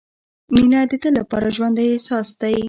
• مینه د تل لپاره ژوندی احساس دی.